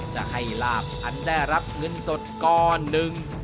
จะให้ลาบอันได้รับเงินสดก้อนหนึ่ง